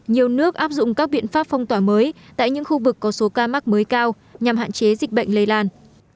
nhiều nước áp dụng các biện pháp phong tỏa mới tại những khu vực có số ca mắc mới cao nhằm hạn chế dịch bệnh lây lan